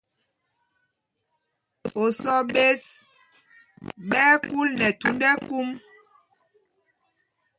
Osɔ́ ɓēs ɓɛ́ ɛ́ kúl nɛ thūnd ɛkúm.